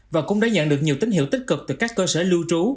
và cũng đã nhận được nhiều tín hiệu tích cực từ các cơ sở lưu trú